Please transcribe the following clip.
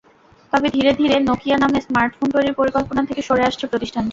তবে ধীরে ধীরে নকিয়া নামে স্মার্টফোন তৈরির পরিকল্পনা থেকে সরে আসছে প্রতিষ্ঠানটি।